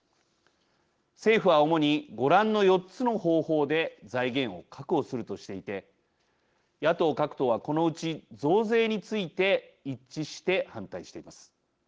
政府は主にご覧の４つの方法で財源を確保するとしていて野党各党はこのうち増税について一致して反対しています。